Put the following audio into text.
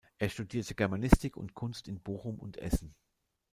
Er studierte Germanistik und Kunst in Bochum und Essen.